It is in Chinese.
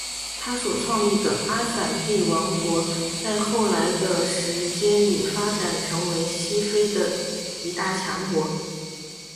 他所创立的阿散蒂王国在后来的时间里发展成为西非的一大强国。